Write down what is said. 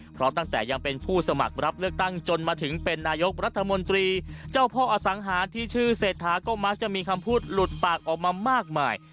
เพราะตั้งแต่ยังเป็นผู้สมัครรับเลือกตั้งจนมาถึงเป็นนายกรัฐมนตรีเจ้าพ่ออสังหารที่ชื่อเศรษฐาก็มักจะมีคำพูดหลุดปากออกมามากมาย